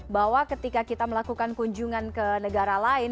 bahwa ketika kita melakukan kunjungan ke negara lain